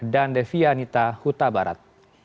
dan devya anita huta barat